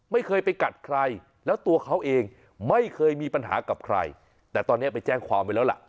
ไม่เคยไปกัดใครแล้วตัวเขาเองไม่เคยมีปัญหากับใครแต่ตอนนี้ไปแจ้งความไว้แล้วล่ะ